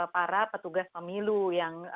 para petugas pemilu yang